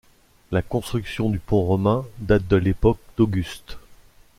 La construction du pont romain date de l'époque d'Auguste.